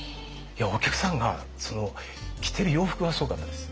お客さんが着てる洋服がすごかったです。